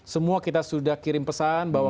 semua kita sudah kirim pesan bahwa